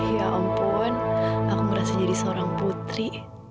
ya ampun aku merasa jadi seorang putri